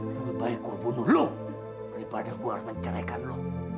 lebih baik gua bunuh lu daripada gua menceraikan lu